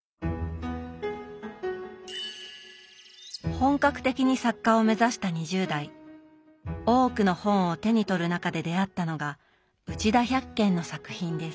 本格的に作家を目指した２０代多くの本を手に取る中で出会ったのが内田百の作品です。